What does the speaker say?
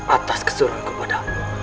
atas keserangku pada